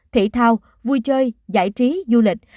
thể thao vui chơi giải trí du lịch